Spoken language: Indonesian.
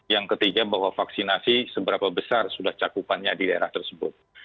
yang ketiga bahwa vaksinasi seberapa besar sudah cakupannya di daerah tersebut